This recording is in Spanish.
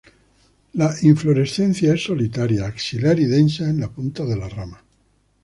La inflorescencia es solitaria, axilar y densa en la punta de las ramas.